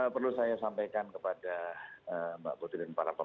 perlu saya sampaikan kepada mbak putri dan para pemirsa